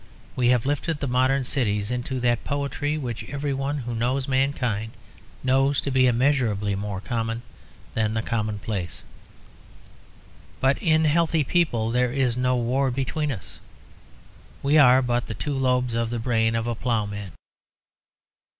We have lifted the modern cities into that poetry which every one who knows mankind knows to be immeasurably more common than the commonplace. But in healthy people there is no war between us. We are but the two lobes of the brain of a ploughman.